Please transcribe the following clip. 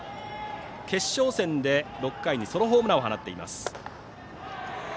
決勝戦で６回にソロホームランを放っています。